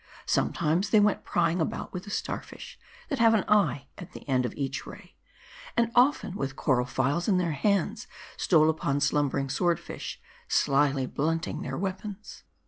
Sometimes they went prying about with the star fish, that have an eye at .the end of each ray ; and often with coral files in their hands stole upon slumbering sword fish, slyly blunting their weapons.